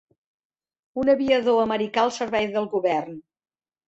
Un aviador americà al servei del Govern